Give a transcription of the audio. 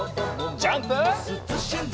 ジャンプ！